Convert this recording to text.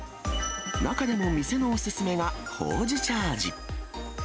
中でも店のお勧めがほうじ茶味。